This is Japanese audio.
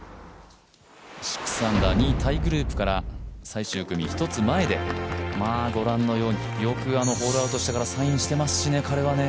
６アンダー、２位タイグループから最終組１つ前でご覧のようによくホールアウトしてからサインしてますしね、彼もね。